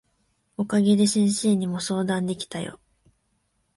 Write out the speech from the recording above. お陰で先生にも相談できたよ。